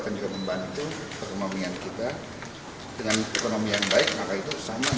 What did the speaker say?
sekian kami sampaikan